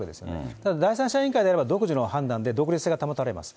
ただ、第三者委員会であれば独自の判断で独立性が保たれます。